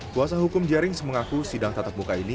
kuasa hukum jerings mengaku sidang tatap muka ini